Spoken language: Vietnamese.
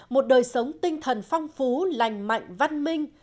một đời sống tinh thần phong phú lành mạnh văn minh